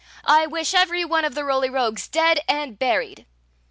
I wish every one of the Roly Rogues dead and buried